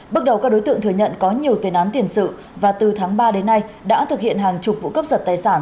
bước đầu các đối tượng thừa nhận có nhiều tiền án tiền sự và từ tháng ba đến nay đã thực hiện hàng chục vụ cướp giật tài sản